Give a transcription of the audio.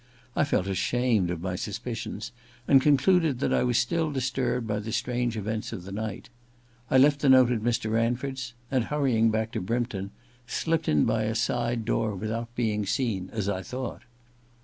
I felt ashamed of my suspicions, and concluded that I was still disturbed by the strange events of the night. I left the note at Mr. Ranford's, and hurrying back to Brympton, slipped in by a side door without being seen, as I thought.